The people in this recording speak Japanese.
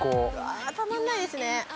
あたまんないですね。